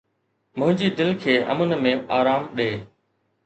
منهنجي دل کي امن ۾ آرام ڏي